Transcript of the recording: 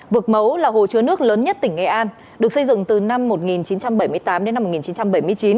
vực mấu là hồ chứa nước lớn nhất tỉnh nghệ an được xây dựng từ năm một nghìn chín trăm bảy mươi tám đến năm một nghìn chín trăm bảy mươi chín